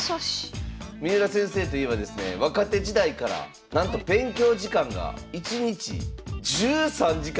三浦先生といえばですね若手時代からなんと勉強時間が１日１３時間。